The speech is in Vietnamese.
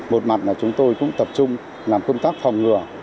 một mặt là chúng tôi cũng tập trung làm công tác phòng ngừa